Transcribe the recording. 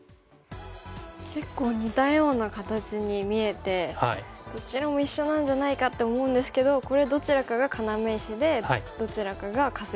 結構似たような形に見えてどちらも一緒なんじゃないかって思うんですけどこれどちらかが要石でどちらかがカス石なんですよね。